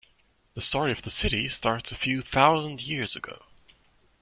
The story of the city starts a few thousand years ago.